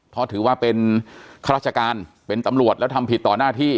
เพราะถือว่าเป็นข้าราชการเป็นตำรวจแล้วทำผิดต่อหน้าที่